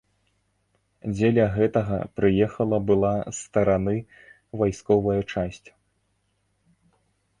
Дзеля гэтага прыехала была з стараны вайсковая часць.